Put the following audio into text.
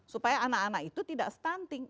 supaya anak anak itu tidak stunting